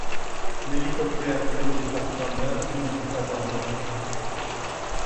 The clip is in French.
L'hélicoptère piloté par Crandall n'était pas armé.